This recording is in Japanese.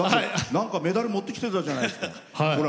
なんかメダル持ってきてたじゃないですか。